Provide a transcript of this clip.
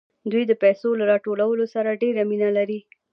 دوی د پیسو له راټولولو سره ډېره مینه لري